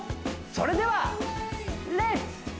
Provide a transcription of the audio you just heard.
それではレッツ！